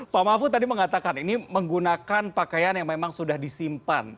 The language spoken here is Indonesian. pak mahfud tadi mengatakan ini menggunakan pakaian yang memang sudah disimpan